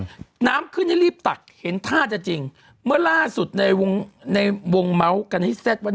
นางอับขึ้นให้รีบตัดเห็นท่าจะจริงเมื่อล่าสุดในวงเมาส์กันที่แสดว่า